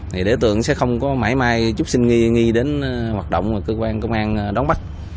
thì đối tượng sẽ không có mãi mãi chút xin nghi đến hoạt động của cơ quan công an đón bắt